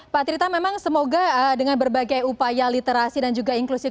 pak trita memang semoga dengan berbagai upaya literasi dan juga inklusif